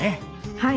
はい。